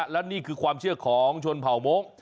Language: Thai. และนี่คือความเชื่อของชนเผ่ามงค์